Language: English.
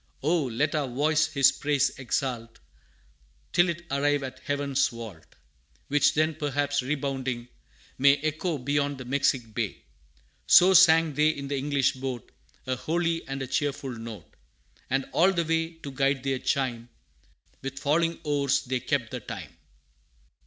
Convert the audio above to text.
Oh! let our voice His praise exalt, Till it arrive at heaven's vault, Which then, perhaps rebounding, may Echo beyond the Mexic bay.' "So sang they in the English boat, A holy and a cheerful note; And all the way, to guide their chime, With falling oars they kept the time."